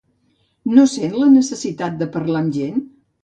No sent la necessitat de parlar amb gent?